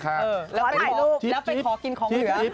แล้วถ่ายรูปแล้วไปขอกินของเหลือ